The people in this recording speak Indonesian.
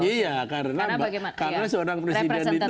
iya karena seorang presiden itu